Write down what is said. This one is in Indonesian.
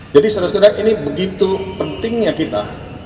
jadi seudah sudah ini begitu pentingnya kita